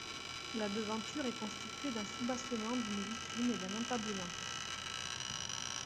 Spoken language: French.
La devanture est constituée d'un soubassement, d'une vitrine et d'un entablement.